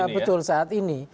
ya betul saat ini